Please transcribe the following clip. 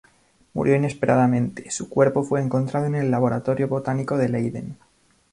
Murió inesperadamente; su cuerpo fue encontrado en el laboratorio botánico de Leiden.